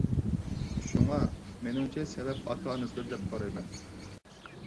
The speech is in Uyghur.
شۇڭا، مېنىڭچە سەۋەب ئاتا-ئانىسىدا دەپ قارايمەن.